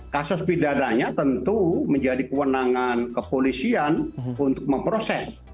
kasus pidananya tentu menjadi kewenangan kepolisian untuk memproses